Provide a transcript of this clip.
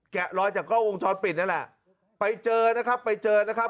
แกะรอยจากกล้องวงจรปิดนั่นแหละไปเจอนะครับไปเจอนะครับ